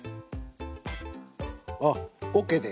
あっオッケーです。